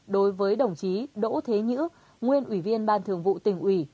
đối với đồng chí đỗ thế nhữ nguyên ủy viên ban thường vụ tỉnh ủy